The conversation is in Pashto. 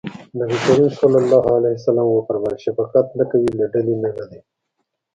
نبي کريم ص وفرمایل شفقت نه کوي له ډلې نه دی.